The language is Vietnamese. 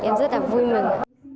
em rất là vui mừng